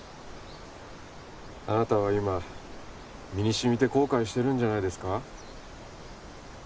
あなたは今身にしみて後悔してるんじゃないですか？